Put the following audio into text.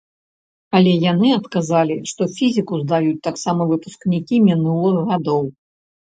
Але яны адказалі, што фізіку здаюць таксама выпускнікі мінулых гадоў.